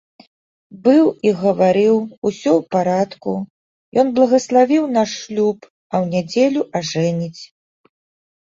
Быў і гаварыў, усё ў парадку, ён благаславіў наш шлюб, а ў нядзелю ажэніць.